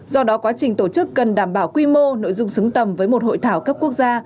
do đó quá trình tổ chức cần đảm bảo quy mô nội dung xứng tầm với một hội thảo cấp quốc gia